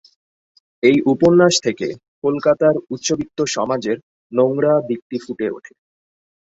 এই উপন্যাস থেকে কলকাতার উচ্চবিত্ত সমাজের নোংরা দিকটি ফুটে ওঠে।